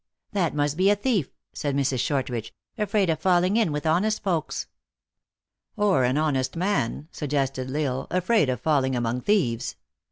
" That must be a thief," said Mrs. Shortridge, " afraid of falling in with honest folks." " Or an honest man," suggested L Isle, " afraid of falling among thieves.